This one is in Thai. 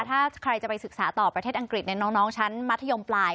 ถ้าใครจะไปศึกษาต่อประเทศอังกฤษในน้องชั้นมัธยมปลาย